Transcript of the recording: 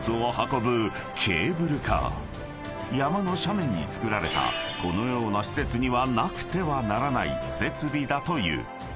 ［山の斜面に造られたこのような施設にはなくてはならない設備だという］